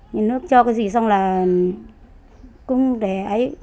nhà nước cho cái gì xong là cũng để ấy